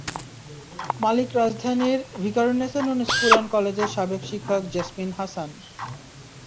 মালিক রাজধানীর Viqarunnisa Noon school and কলেজের সাবেক শিক্ষক জেসমিন হাসান।